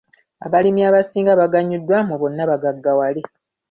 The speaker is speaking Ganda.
Abalimi abasinga baganyuddwa mu bonnabagaggawale.